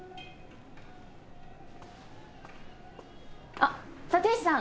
あっ立石さん。